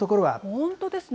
本当ですね。